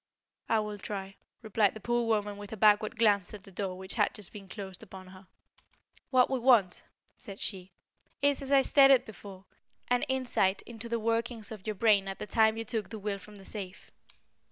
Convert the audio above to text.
"I will try," replied the poor woman with a backward glance at the door which had just been closed upon her. "What we want," said she, "is, as I stated before, an insight into the workings of your brain at the time you took the will from the safe.